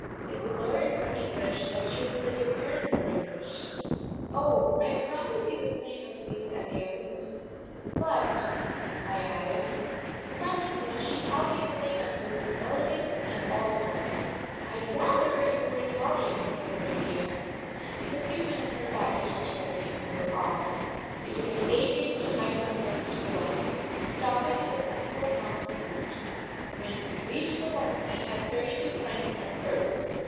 "If the lawyers are English, that shows that your parents are English." "Oh, I'd rather be the same as Lise and the others. But," I added, "if I'm English I'll be the same as Mrs. Milligan and Arthur." "I'd rather you were Italian," said Mattia. In a few minutes our baggage was ready and we were off. It took us eight days to hike from Paris to Bologne, stopping at the principal towns en route. When we reached Bologne we had thirty two francs in our purse.